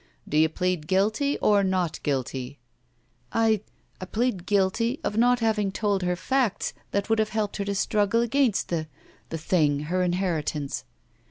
"Do you plead guilty or not guilty?'* "I — I plead guilty of not having told her facts that would have helped her to struggle against the — the thing — her inheritance."